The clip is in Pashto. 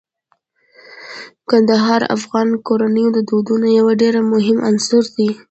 کندهار د افغان کورنیو د دودونو یو ډیر مهم عنصر دی.